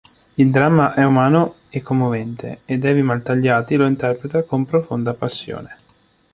Il dramma è umano e commovente ed Evi Maltagliati lo interpreta con profonda passione.